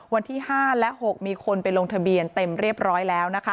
วันที่๕และ๖มีคนไปลงทะเบียนเต็มเรียบร้อยแล้วนะคะ